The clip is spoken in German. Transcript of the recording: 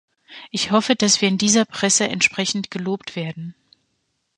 Ich hoffe, dass wir in dieser Presse entsprechend gelobt werden.